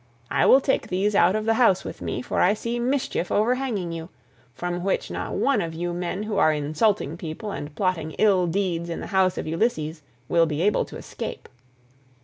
I will take these out of the house with me, for I see mischief overhanging you, from which not one of you men who are insulting people and plotting ill deeds in the house of Ulysses will be able to escape."